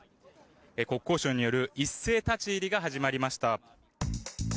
国交省による一斉立ち入りが始まりました。